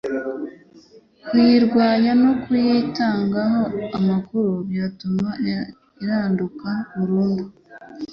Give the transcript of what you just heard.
kuyirwanya no kuyitangaho amakuru byatuma iranduka burundu